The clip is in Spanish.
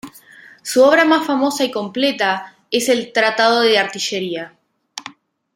Su obra más famosa y completa es el "Tratado de Artillería".